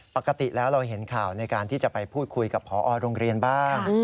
ปกติแล้วเราเห็นข่าวในการที่จะไปพูดคุยกับพอโรงเรียนบ้าง